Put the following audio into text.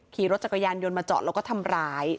ขี่รถจักรยานยนต์มาจอดแล้วก็ทำร้าย